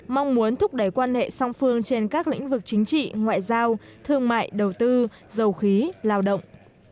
mong muốn thúc đẩy quan hệ song phương trên các lĩnh vực chính trị ngoại giao thương mại đầu tư dầu khí lao động